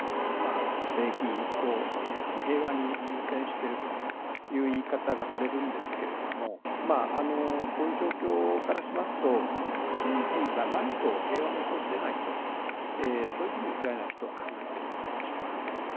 ただ、よく正義を平和に優先しているという言い方がされるんですけどこういう状況からしますと正義がないと平和も訪れないとそういうふうにウクライナの人は考えてるんじゃないでしょうか。